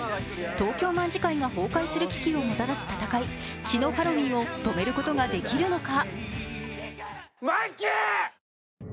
東京卍會が崩壊する危機をもたらす戦い、血のハロウィンを止めることができるのか。